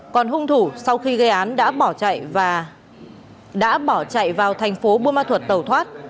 còn hung thủ sau khi gây án đã bỏ chạy vào thành phố bua ma thuật tẩu thoát